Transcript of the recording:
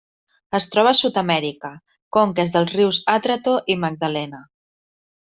Es troba a Sud-amèrica: conques dels rius Atrato i Magdalena.